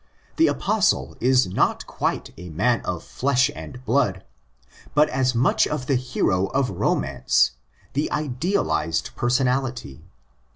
The Apostle is not quite a man of flesh and blood, but has much of the hero of romance, the idealised personality.